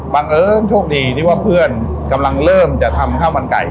บังเอิญโชคดีที่ว่าเพื่อนกำลังเริ่มจะทำข้าวมันไก่